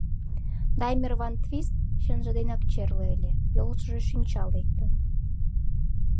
Даймер-ван-Твист чынже денак черле ыле: йолыштыжо чӱнча лектын.